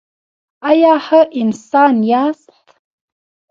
ایا ښه انسان یاست؟